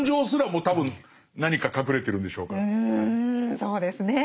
うんそうですね。